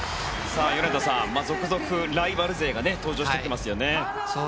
米田さん、続々、ライバル勢が登場してきていますね。